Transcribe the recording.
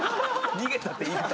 「逃げた」って言い方。